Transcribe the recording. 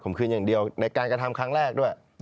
ผมคืนอย่างเดียวในการกระทำครั้งแรกด้วย